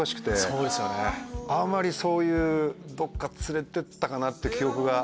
あんまりそういうどっか連れてったかなって記憶が。